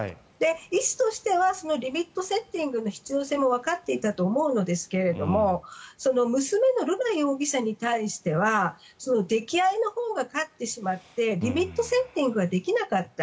医師としてはリミットセッティングの必要性もわかっていたと思うのですけども娘の瑠奈容疑者に対しては溺愛のほうが勝ってしまってリミットセッティングができなかった。